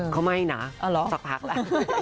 เขาไม่นะสักพักแล้ว